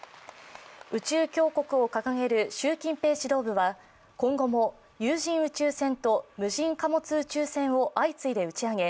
宇宙強国を掲げる習近平指導部は今後も有人宇宙船と無人貨物宇宙船を相次いで打ち上げ